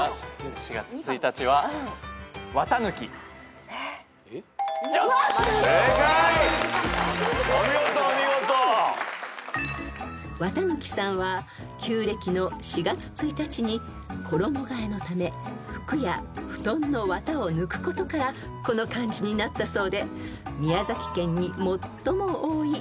［四月一日さんは旧暦の４月１日に衣替えのため服や布団の綿を抜くことからこの漢字になったそうで］